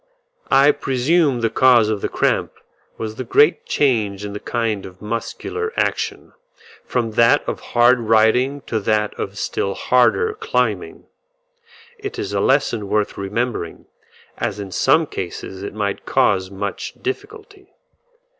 I presume the cause of the cramp was the great change in the kind of muscular action, from that of hard riding to that of still harder climbing. It is a lesson worth remembering, as in some cases it might cause much difficulty.